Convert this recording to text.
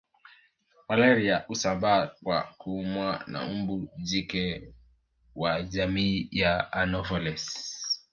Malaria husambaa kwa kuumwa na mbu jike wa jamii ya anopheles